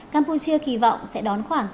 campuchia kỳ vọng sẽ đón khoảng